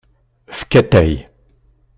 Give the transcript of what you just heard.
Efk atay.